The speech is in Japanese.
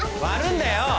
割るんだよ！